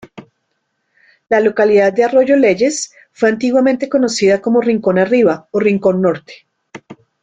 La localidad de Arroyo Leyes, fue antiguamente conocida como Rincón Arriba, o Rincón Norte.